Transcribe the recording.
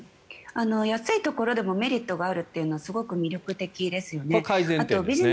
安いところでもメリットがあるというのはそれは改善点ですね。